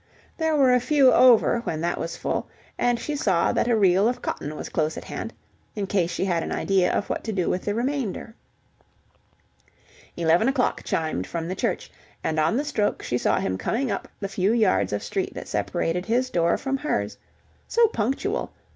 There were a few over when that was full, and she saw that a reel of cotton was close at hand, in case she had an idea of what to do with the remainder. Eleven o'clock chimed from the church, and on the stroke she saw him coming up the few yards of street that separated his door from hers. So punctual!